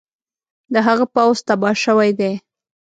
د هغه پوځ تباه شوی دی.